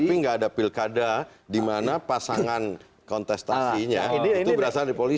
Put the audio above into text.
tapi nggak ada pilkada dimana pasangan kontestasinya itu berasal dari polisi